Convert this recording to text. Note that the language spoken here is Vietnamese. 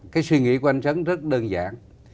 cái suy nghĩ của anh trấn rất đơn giản